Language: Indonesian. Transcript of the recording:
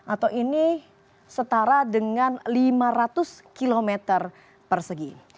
atau ini setara dengan lima ratus km persegi